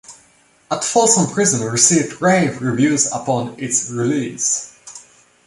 "At Folsom Prison" received rave reviews upon its release.